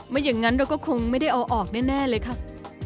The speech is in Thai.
อย่างนั้นเราก็คงไม่ได้เอาออกแน่เลยค่ะ